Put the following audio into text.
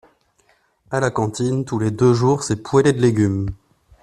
À la cantine, tous les deux jours c'est poêlée de légumes.